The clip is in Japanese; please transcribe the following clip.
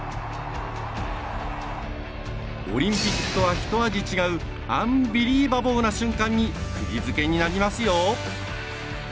オリンピックとは、ひと味違うアンビリーバボーな瞬間にくぎづけになりますよ。